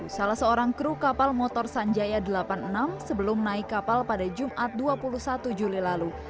salah seorang kru kapal motor sanjaya delapan puluh enam sebelum naik kapal pada jumat dua puluh satu juli lalu